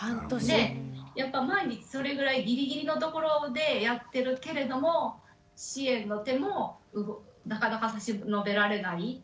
でやっぱ毎日それぐらいギリギリのところでやってるけれども支援の手もなかなか差し伸べられない。